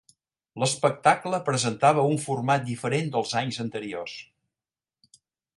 L'espectacle presentava un format diferent del d'anys anteriors.